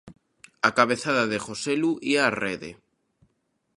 A cabezada de Joselu ía á rede.